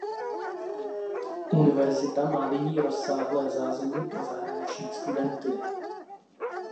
Univerzita má nyní rozsáhlé zázemí pro zahraniční studenty.